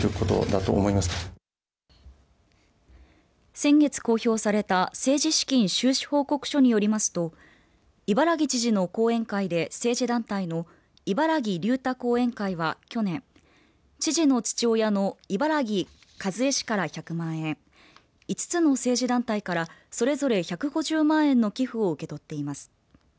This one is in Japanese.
先月公表された政治資金収支報告書によりますと伊原木知事の後援会で政治団体のいばらぎ隆太後援会は去年、知事の父親の伊原木一衛氏から１００万円５つの政治団体からそれぞれ１５０万円の寄付を受け取っています。